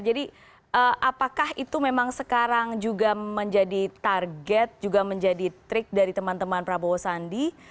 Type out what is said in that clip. jadi apakah itu memang sekarang juga menjadi target juga menjadi trik dari teman teman prabowo sandi